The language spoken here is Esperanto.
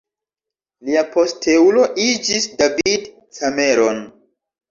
Lia posteulo iĝis David Cameron.